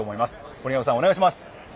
森上さん、お願いします。